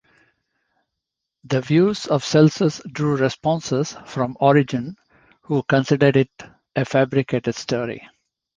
The views of Celsus drew responses from Origen who considered it a fabricated story.